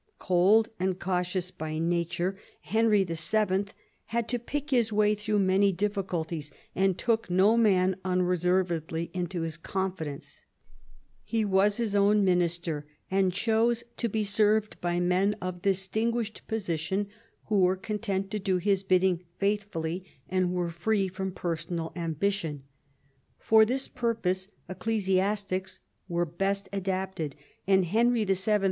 Cold and cautious by nature, Henry VIL had to pick his way through many difficulties, and took no man* un reservedly into his confidenca He was his own minister, and chose to be served by men of distinguished position who were content to do his bidding faithfully, and were free from personal ambition. For this purpose ecclesi astics were best adapted, and Henry VII.